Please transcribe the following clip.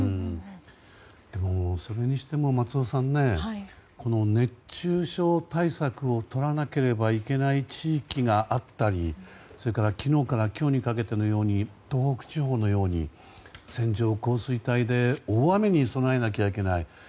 でも、それにしても松尾さん熱中症対策を取らなければいけない地域があったりそれから昨日から今日にかけての東北地方のように線状降水帯で大雨に備えなきゃいけない。